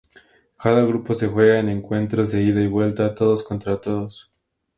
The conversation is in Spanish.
Cada grupo se juega en encuentros de ida y vuelta todos contra todos.